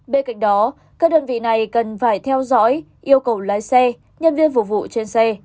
bên cạnh đó các đơn vị này cần phải theo dõi yêu cầu lái xe nhân viên phục vụ trên xe